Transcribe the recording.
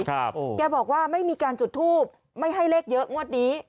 แกบอกว่าไม่มีการจุดทูบไม่ให้เลขเยอะงวดนี้